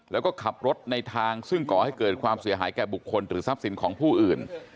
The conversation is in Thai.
แล้วก็ขับรถในทางซึ่งก่อให้เกิดความเสียหายแก่บุคคลหรือทรัพย์สินของผู้อื่น